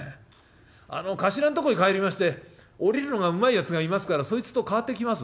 あの棟梁んとこへ帰りまして下りるのがうまいやつがいますからそいつと代わってきます」。